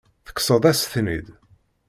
Tekkseḍ-as-ten-id.